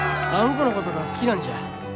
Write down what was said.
このことが好きなんじゃ。